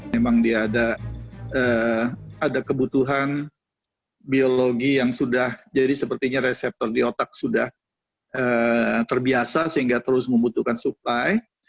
memang dia ada kebutuhan biologi yang sudah jadi sepertinya reseptor di otak sudah terbiasa sehingga terus membutuhkan supply